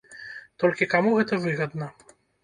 Толькі каму гэта выгадна?